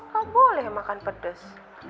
neng orok apa boleh makan pedes